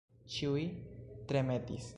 Ĉiuj tremetis.